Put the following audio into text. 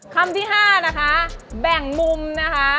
คำที่๕นะคะแบ่งมุมนะคะ